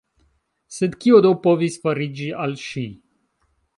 Sed kio do povis fariĝi al ŝi?